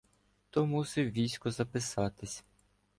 То мусив в військо записатись